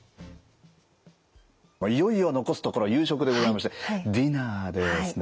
いよいよ残すところ夕食でございましてディナーですね。